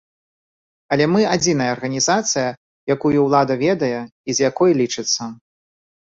Але мы адзіная арганізацыя, якую ўлада ведае і з якой лічыцца.